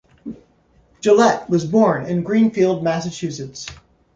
Jillette was born in Greenfield, Massachusetts.